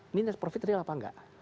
ini net profit real apa enggak